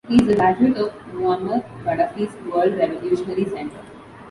He is a graduate of Muammar Gaddafi's World Revolutionary Center.